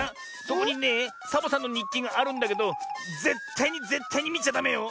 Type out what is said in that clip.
そこにねえサボさんのにっきがあるんだけどぜったいにぜったいにみちゃダメよ。